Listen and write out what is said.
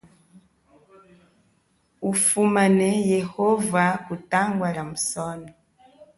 Ufumane yehova kutangwa lia musono.